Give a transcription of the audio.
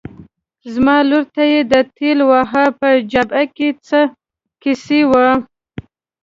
زما لور ته یې را ټېل واهه، په جبهه کې څه کیسې وې؟